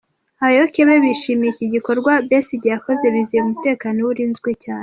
Abayoboke be bishimiye iki gikorwa Besigye yakoze bizeye ko umutekano we urinzwe cyane.